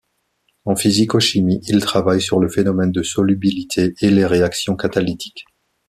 En physico-chimie, il travaille sur le phénomène de solubilité et les réactions catalytiques.